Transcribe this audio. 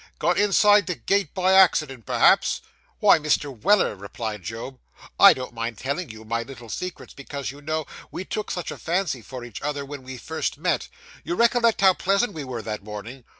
'Got inside the gate by accident, perhaps?' 'Why, Mr. Weller,' replied Job, 'I don't mind telling you my little secrets, because, you know, we took such a fancy for each other when we first met. You recollect how pleasant we were that morning?